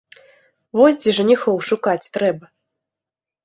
Вось дзе жаніхоў шукаць трэба.